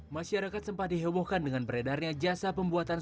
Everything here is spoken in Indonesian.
masyarakat sempat dihebohkan dengan beredarnya jasa pembuatan